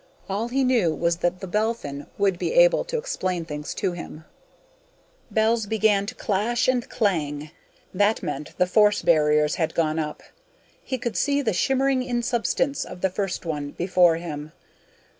All he knew was that The Belphin would be able to explain things to him. Bells began to clash and clang. That meant the force barriers had gone up. He could see the shimmering insubstance of the first one before him.